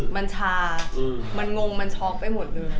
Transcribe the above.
มันชามันงงมันช็อกไปหมดเลย